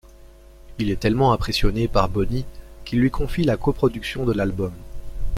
Il est tellement impressionné par Bonnie qu'il lui confie la coproduction de l'album.